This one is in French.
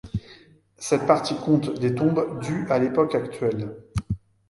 Cette partie compte des tombes du à l'époque actuelle.